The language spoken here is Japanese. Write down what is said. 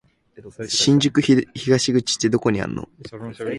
新宿東口ってどこにあんの？